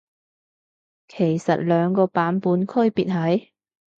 其實兩個版本區別係？